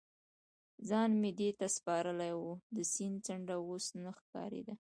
ځان مې دې ته سپارلی و، د سیند څنډه اوس نه ښکارېده.